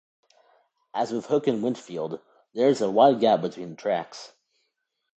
As with Hook and Winchfield, there is a wide gap between the tracks.